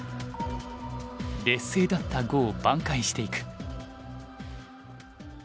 劣勢だった碁を挽回していく。